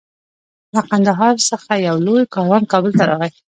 له قندهار څخه یو لوی کاروان کابل ته راغی.